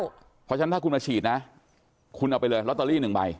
เพราะฉะนั้นถ้าคุณมาฉีดนะคุณเอาไปเลยลอตเตอรี่๑ใบ